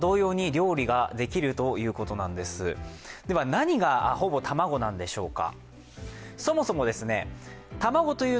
何がほぼ卵なんでしょうか。